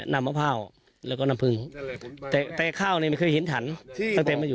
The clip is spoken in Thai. นำมะพร้าวแล้วก็นำพึงแต่แต่ข้าวนี้ไม่เคยเห็นถันตั้งแต่ไม่อยู่